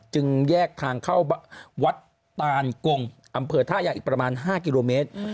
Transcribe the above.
จึงแยกทางเข้าวัดตานกงอำเภอท่ายางอีกประมาณ๕กิโลเมตร